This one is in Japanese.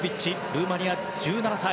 ルーマニア、１７歳。